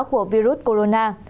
của virus corona